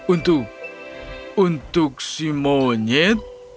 untuk untuk si monyet